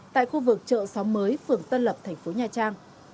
tại khu vực chợ xóm mới phường tân lập thành phố nha trang